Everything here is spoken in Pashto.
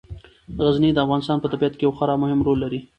غزني د افغانستان په طبیعت کې یو خورا مهم رول لري.